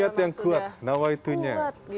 niat yang kuat nawaitunya